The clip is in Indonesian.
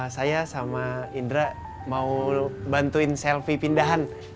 saya sama indra mau bantuin selfie pindahan